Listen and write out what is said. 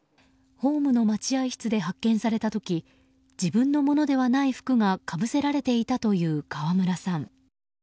ホームの待合室で発見された時自分のものではない服がかぶせられていたという川村さん。